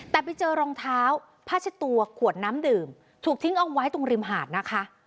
แต่ไปเจอรองเท้าผ้าเช็ดตัวขวดน้ำดื่มถูกทิ้งเอาไว้ตรงริมหาดนะคะ